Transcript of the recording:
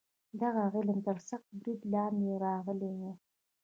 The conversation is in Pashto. دغه علم تر سخت برید لاندې راغلی و.